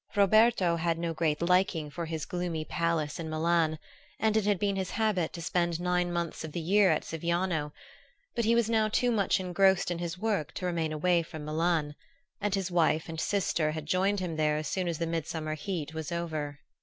Roberto had no great liking for his gloomy palace in Milan, and it had been his habit to spend nine months of the year at Siviano; but he was now too much engrossed in his work to remain away from Milan, and his wife and sister had joined him there as soon as the midsummer heat was over.